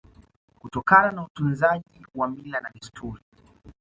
Kutokana na utunzaji wa mila na desturi